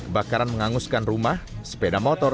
bakaran menganguskan rumah sepeda motor